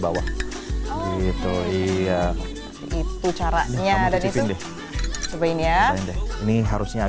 ini yang harusnya contoh kayak giniates